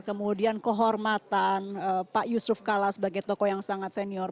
kemudian kehormatan pak yusuf kalla sebagai tokoh yang sangat senior